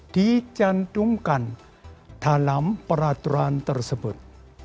dicantumkan dalam peraturan tersebut